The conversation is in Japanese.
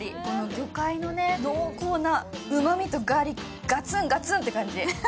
魚介の濃厚なうまみとガーリック、ガツン、ガツンって感じ。